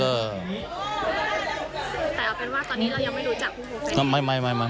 แต่เอาเป็นว่าตอนนี้เรายังไม่รู้จักกู้โหกได้